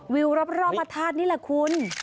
วิวรอบพระธาตุนี่แหละคุณ